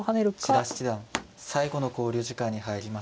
千田七段最後の考慮時間に入りました。